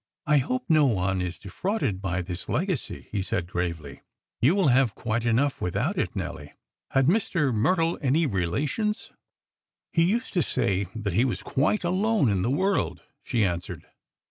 "I hope no one is defrauded by this legacy," he said, gravely. "You will have quite enough without it, Nelly. Had Mr. Myrtle any relations?" "He used to say that he was quite alone in the world," she answered.